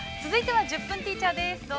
続いては「１０分ティーチャー」です。